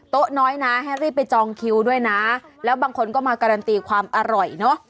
น้อยนะให้รีบไปจองคิวด้วยนะแล้วบางคนก็มาการันตีความอร่อยเนอะ